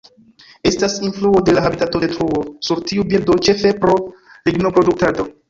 Estas influo de la habitatodetruo sur tiu birdo, ĉefe pro lignoproduktado.